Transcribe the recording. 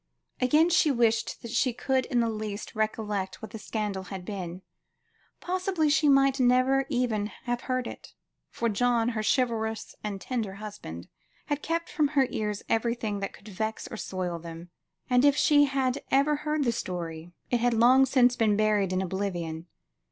Again she wished that she could in the least recollect what the scandal had been. Possibly, she might never even have heard it, for John, her chivalrous and tender husband, had kept from her ears everything that could vex or soil them, and if she had ever heard the story, it had long since been buried in oblivion.